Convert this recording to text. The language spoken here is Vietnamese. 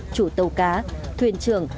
chủ tàu cá thuyền trường